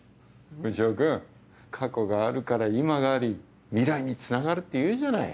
蒸し男くん過去があるから今があり未来につながるって言うじゃない。